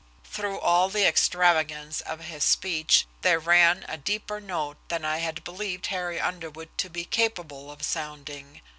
Through all the extravagance of his speech there ran a deeper note than I had believed Harry Underwood to be capable of sounding.